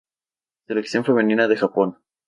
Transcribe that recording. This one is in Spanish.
Selección femenina de Japón